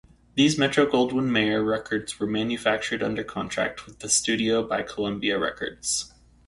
These Metro-Goldwyn-Mayer records were manufactured under contract with the studio by Columbia Records.